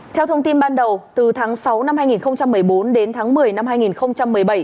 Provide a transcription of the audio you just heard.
theo thông tin ban đầu từ tháng sáu năm hai nghìn một mươi bốn đến tháng một mươi năm hai nghìn một mươi bảy